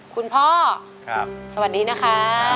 คุณพ่อสวัสดีนะคะ